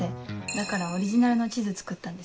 だからオリジナルの地図作ったんです。